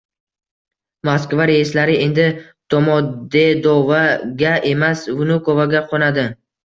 Moskva reyslari endi “Domodedovo”ga emas, “Vnukovo”ga qoʻnadi.